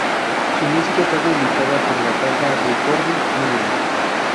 Su música está publicada por la Casa Ricordi Milan.